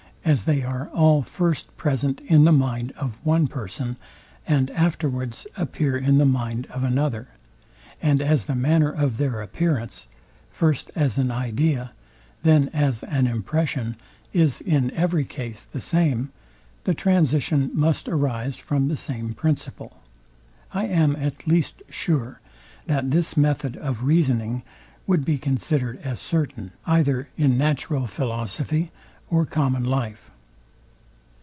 As they are all first present in the mind of one person, and afterwards appear in the mind of another; and as the manner of their appearance, first as an idea, then as an impression, is in every case the same, the transition must arise from the same principle. I am at least sure, that this method of reasoning would be considered as certain, either in natural philosophy or common life.